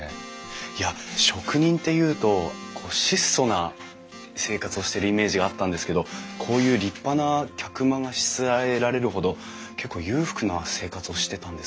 いや職人っていうと質素な生活をしてるイメージがあったんですけどこういう立派な客間がしつらえられるほど結構裕福な生活をしてたんですかね？